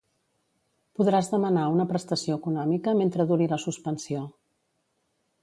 Podràs demanar una prestació econòmica mentre duri la suspensió.